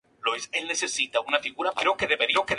A partir de ahí, Chapman es considerada como una "chica" de Red.